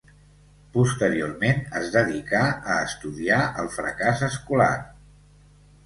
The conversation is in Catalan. Posteriorment es dedicà a estudiar el fracàs escolar.